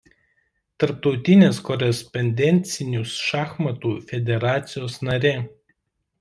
Tarptautinės korespondencinių šachmatų federacijos narė.